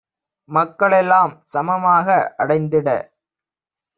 மக்களெல் லாம்சம மாக அடைந்திட